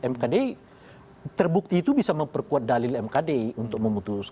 mkd terbukti itu bisa memperkuat dalil mkd untuk memutus